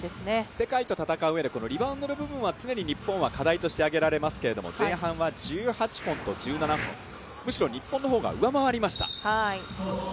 世界と戦ううえで、リバウンドの部分は常に日本は課題としてあげられますけれども、前半は１８本と１７本むしろ日本の方が上回りました。